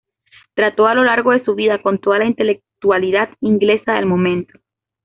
Trató a lo largo de su vida con toda la intelectualidad inglesa del momento.